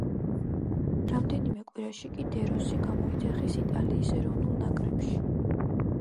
რამდენიმე კვირაში კი დე როსი გამოიძახეს იტალიის ეროვნულ ნაკრებში.